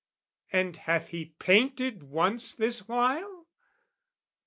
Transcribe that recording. And hath he painted once this while?